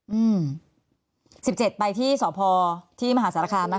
อืมสิบเจ็ดไปที่สพที่มหาสารคามไหมค